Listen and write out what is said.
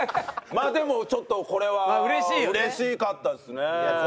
まあでもちょっとこれは嬉しかったですね。